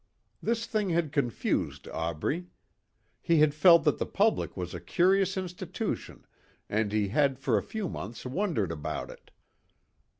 This thing had confused Aubrey. He had felt that the public was a curious institution and he had for a few months wondered about it.